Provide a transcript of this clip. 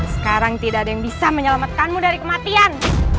sekarang tidak ada yang bisa menyelamatkanmu dari kematian